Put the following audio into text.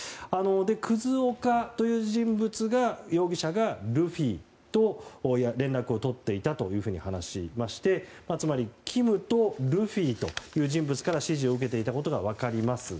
葛岡という容疑者がルフィと連絡を取っていたと話しましてつまりキムとルフィという人物から指示を受けていたことが分かります。